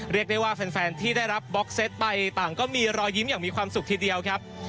เรียกได้ว่าแฟนที่ได้รับบล็อกเซตไปต่างก็มีรอยยิ้มอย่างมีความสุขทีเดียวครับ